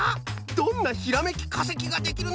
どんなひらめきかせきができるのか。